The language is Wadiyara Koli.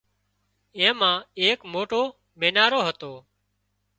اين مان ايڪ موٽو مينارو هتو